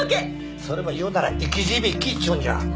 それを言うなら生き字引っちゅうんじゃ。